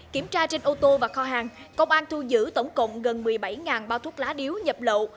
kiểm tra trên ô tô và kho hàng công an thu giữ tổng cộng gần một mươi bảy bao thuốc lá điếu nhập lậu